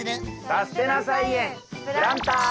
「さすてな菜園プランター」！